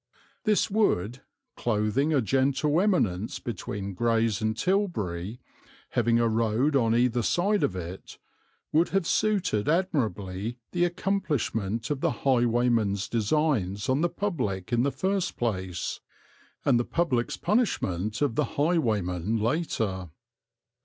This wood, clothing a gentle eminence between Grays and Tilbury, having a road on either side of it, would have suited admirably the accomplishment of the highwayman's designs on the public in the first place, and the public's punishment of the highwayman later.